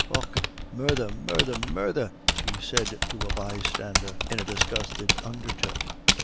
"Och, murdher, murdher, murdher," she said to the bystanders, in a disgusted undertone.